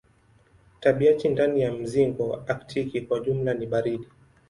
Tabianchi ndani ya mzingo aktiki kwa jumla ni baridi.